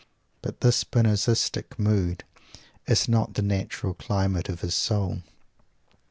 But this Spinozistic mood is not the natural climate of his soul.